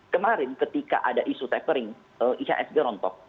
kemarin ketika ada isu tapering ihsg rontok